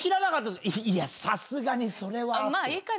いやさすがにそれはって。